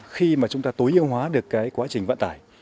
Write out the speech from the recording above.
khi chúng ta tối ưu hóa được quá trình vận tải